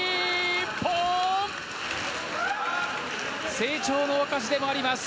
成長の証しでもあります。